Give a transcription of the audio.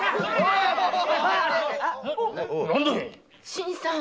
新さん！